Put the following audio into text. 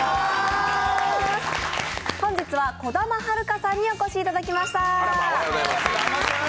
本日は兒玉遥さんにお越しいただきました。